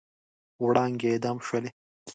وړانګې اعدام شولې